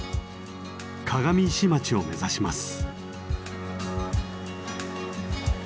鏡石町を目指します。